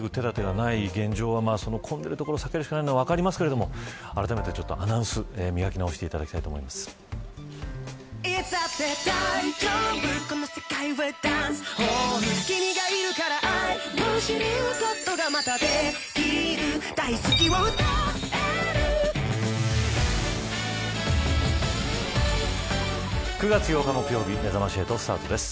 何とか、手だてはない現状混んでるところ避けるしかないというのは分かりますがあらためて、アナウンス磨き直していただきたいと思います。